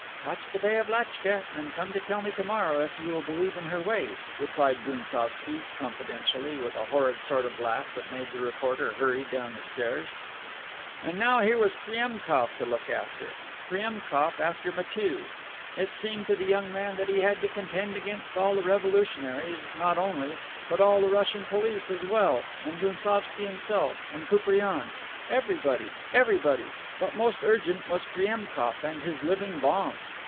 "Watch the Bay of Lachtka, and come to tell me to morrow if you will believe in her always," replied Gounsovski, confidentially, with a horrid sort of laugh that made the reporter hurry down the stairs. And now here was Priemkof to look after! Priemkof after Matiew! It seemed to the young man that he had to contend against all the revolutionaries not only, but all the Russian police as well and Gounsovski himself, and Koupriane! Everybody, everybody! But most urgent was Priemkof and his living bombs.